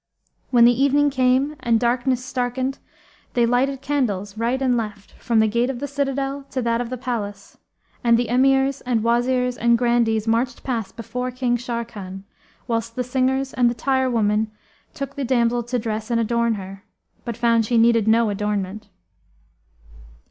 When the evening came and darkness starkened they lighted candles, right and left, from the gate of the citadel to that of the palace; and the Emirs and Wazirs and Grandees marched past before King Sharrkan, whilst the singers and the tire women took the damsel to dress and adorn her, but found she needed no adornment.